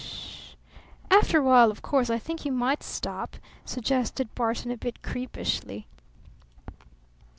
Mmmmmmmm Mmmmmmm " "After a while, of course, I think you might stop," suggested Barton a bit creepishly.